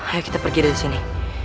ayo kita pergi dari sini